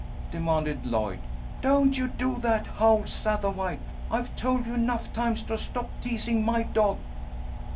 demanded Lloyd. "Don't you do that, Howl Sattawhite! I've told you enough times to stop teasing my dog."